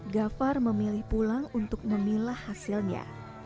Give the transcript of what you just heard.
gafar memilih pulang untuk memilah hasilnya